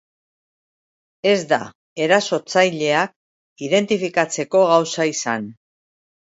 Ez da erasotzaileak identifikatzeko gauza izan.